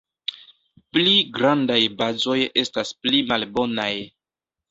Pli grandaj bazoj estas pli malbonaj.